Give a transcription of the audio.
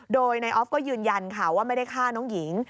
โดยนายออฟก็ยืนยันค่ะว่าไม่ได้ฆ่าน้องหญิง